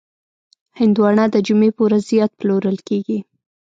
هندوانه د جمعې په ورځ زیات پلورل کېږي.